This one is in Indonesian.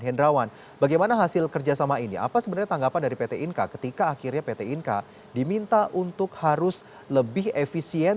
hendrawan bagaimana hasil kerjasama ini apa sebenarnya tanggapan dari pt inka ketika akhirnya pt inka diminta untuk harus lebih efisien